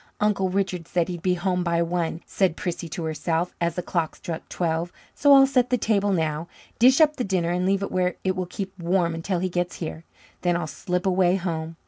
"Uncle Richard said he'd be home by one," said Prissy to herself, as the clock struck twelve, "so I'll set the table now, dish up the dinner, and leave it where it will keep warm until he gets here. Then I'll slip away home.